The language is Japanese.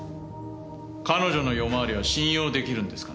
彼女の夜回りは信用出来るんですかね？